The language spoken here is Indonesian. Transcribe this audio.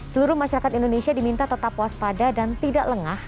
seluruh masyarakat indonesia diminta tetap waspada dan tidak lengah